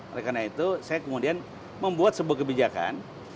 oleh karena itu saya kemudian membuat sebuah kebijakan